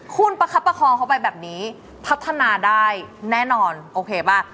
คุณประคับประคองเขาไปแบบนี้พัฒนาได้แน่นอนโอเคป่ะ